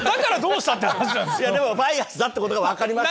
でもバイアスだってことが分かりましたんで。